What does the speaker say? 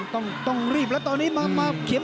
ต้องรีบแล้วตอนนี้ความเขียน